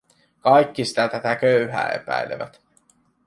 Kaikki sitä tätä köyhää epäilevät.